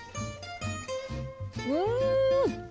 うん！